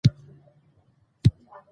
غونډه د بي بي حوا په لېسه کې جوړه شوې وه.